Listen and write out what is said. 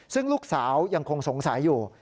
ซึ่งลูกสาวยังคงสงสัยอยู่